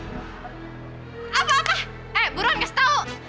apa apa eh buruan kasih tau